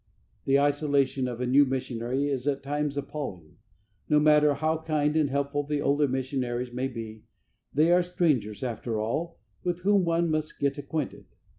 The isolation of a new missionary is at times appalling. No matter how kind and helpful the older missionaries may be, they are strangers, after all, with whom one must get acquainted.